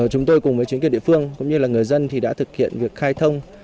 chúng tôi cùng với chính quyền địa phương cũng như là người dân thì đã thực hiện việc khai thông